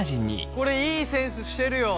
これいいセンスしてるよ。